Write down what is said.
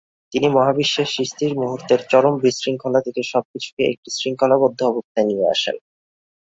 তিনি মহাবিশ্বের সৃষ্টির মুহূর্তের চরম বিশৃঙ্খলা থেকে সব কিছুকে একটি শৃঙ্খলাবদ্ধ অবস্থায় নিয়ে আসেন।